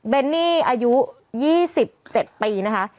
เนนี่อายุ๒๗ปีนะคะ